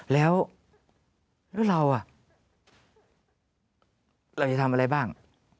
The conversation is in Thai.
แล้วเราเราจะทำอะไรบ้าง